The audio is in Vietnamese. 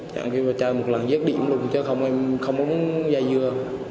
chẳng khi mà chơi một lần giết đi cũng được chứ không em không muốn dây dưa